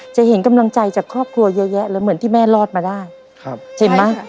เห็นกำลังใจจากครอบครัวเยอะแยะแล้วเหมือนที่แม่รอดมาได้ครับเห็นไหม